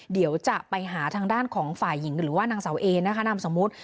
เดี๋ยวจะไปหาทางด้านของฝ่ายหญิงหรือว่านางสาวเอนะคะนามสมมุติ